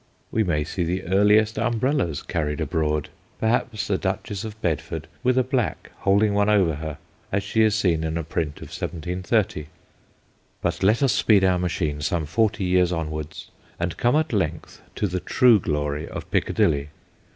We 14 THE GHOSTS OF PICCADILLY may see the earliest umbrellas carried abroad perhaps the Duchess of Bedford with a black holding one over her, as she is seen in a print of 1730. But let us speed our machine some forty years onwards and come at length to the true glory of Piccadilly.